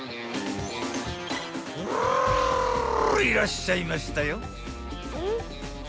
いらっしゃいましたよ］